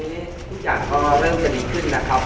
ทุกอย่างก็เริ่มจะดีขึ้นนะครับ